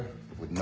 何？